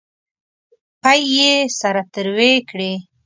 پۍ یې سره تروې کړې.